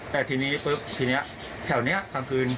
แต่ทีนี้ปุ๊บทีนี้แถวนี้กลางคืน